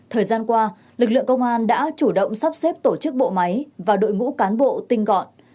thời gian qua lực lượng công an đã chủ động sắp xếp tổ chức bộ máy và đội ngũ cán bộ tinh gọn